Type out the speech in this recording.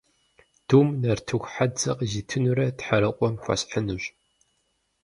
Дум нартыху хьэдзэ къызитынурэ Тхьэрыкъуэм хуэсхьынущ.